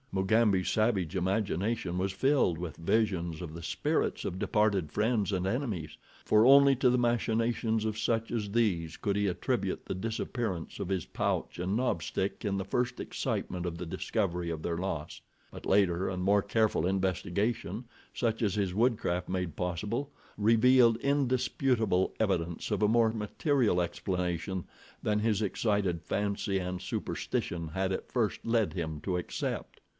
Mugambi's savage imagination was filled with visions of the spirits of departed friends and enemies, for only to the machinations of such as these could he attribute the disappearance of his pouch and knob stick in the first excitement of the discovery of their loss; but later and more careful investigation, such as his woodcraft made possible, revealed indisputable evidence of a more material explanation than his excited fancy and superstition had at first led him to accept.